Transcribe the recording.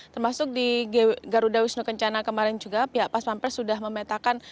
termasuk di garuda wisnu kencana kemarin juga pihak pas pampres sudah memetakan